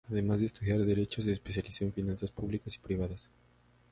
Además de estudiar derecho, se especializó en finanzas públicas y privadas.